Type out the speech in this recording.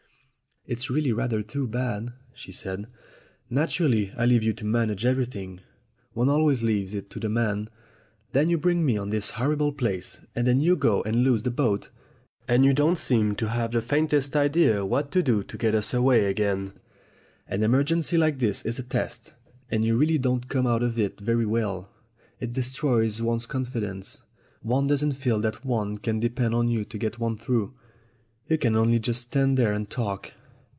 "It's really rather too bad," she said. "Naturally, I leave you to manage everything. One always leaves it to the man. Then you bring me to this horrible place, and then you go and lose the boat. And you don't seem to have the faintest idea what to do to get us away again. An emergency like this is a test, and you really don't come out of it very well. It destroys one's confidence. One doesn't feel that one can de pend on you to get one through. You can only just stand there and talk."